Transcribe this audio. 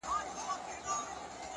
يوه سړي د ملا قبر موندلي شراب”